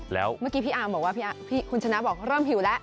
แล้วเมื่อกี้พี่อาร์มบอกว่าคุณชนะบอกเริ่มหิวแล้ว